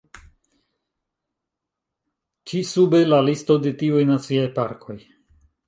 Ĉi sube la listo de tiuj naciaj parkoj.